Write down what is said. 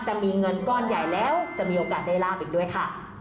จะมีเงินก้อนใหญ่แล้วจะมีโอกาสได้ลาบอีกด้วยค่ะ